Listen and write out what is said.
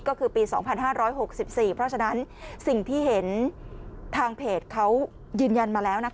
ก็คือปี๒๕๖๔เพราะฉะนั้นสิ่งที่เห็นทางเพจเขายืนยันมาแล้ว